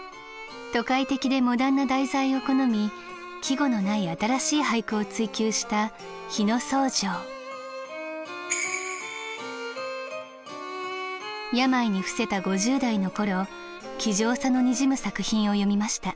都会的でモダンな題材を好み季語のない新しい俳句を追求した病に伏せた５０代の頃気丈さのにじむ作品を詠みました。